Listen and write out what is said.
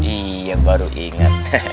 iya baru inget